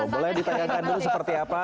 boleh ditanyakan dulu seperti apa